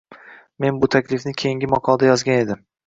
men bu taklifni keyingi maqolada yozgan edim